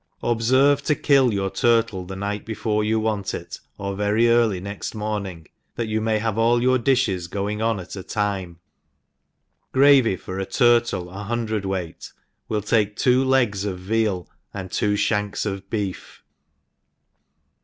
Obferve to kill your turtle the night before you want it, or very early next morning, that you may have all your diiheg ENGLISH HOUSE KEEPER. 19 diihes going on at a tinae. Gravy for a tiytle a hundred weight, will take two legs of veal^ add two (hank$ of beef.